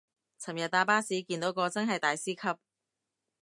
尋日搭巴士見到個真係大師級